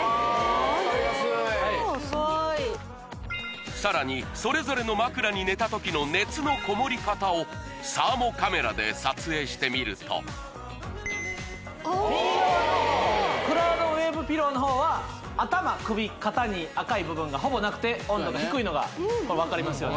あ分かりやすいなるほどさらにそれぞれの枕に寝た時の熱のこもり方をサーモカメラで撮影してみると右側のクラウドウェーブピローのほうは頭首肩に赤い部分がほぼなくて温度が低いのが分かりますよね